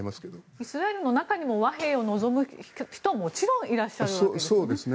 イスラエルの中にも和平を望む人はもちろんいらっしゃるわけですよね。